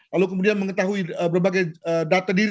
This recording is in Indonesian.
lalu kemudian mengetahui berbagai data diri